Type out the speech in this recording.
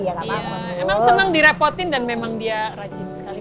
iya emang seneng direpotin dan memang dia rajin sekali